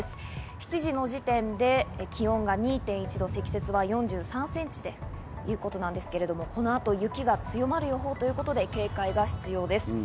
７時の時点で気温が２．１度、積雪が４３センチということですが、この後、雪が強まる予報ということで警戒が必要です。